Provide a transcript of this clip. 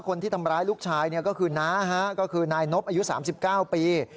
คนที่ทำร้ายลูกชายก็คือน้าก็คือนายนบอายุ๓๙ปี